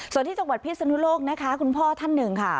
ส่วนที่จังหวัดพิศนุโลกนะคะคุณพ่อท่านหนึ่งค่ะ